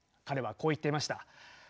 彼はこう言っていました。